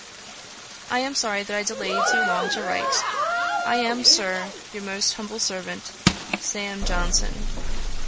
'I am sorry that I delayed so long to write. 'I am, Sir, 'Your most humble servant, 'SAM. JOHNSON.'